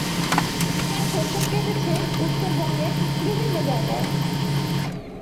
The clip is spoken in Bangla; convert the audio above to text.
তার শৈশব কেটেছে উত্তরবঙ্গের বিভিন্ন জায়গায়।